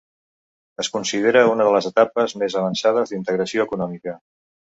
Es considera una de les etapes més avançades d'integració econòmica.